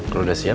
kalo udah siap